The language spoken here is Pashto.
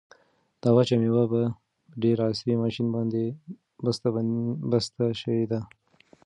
دا وچه مېوه په ډېر عصري ماشین باندې بسته شوې ده.